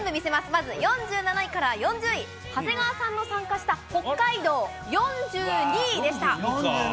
まず４７位から４０位、長谷川さんも参加した北海道４２位でした。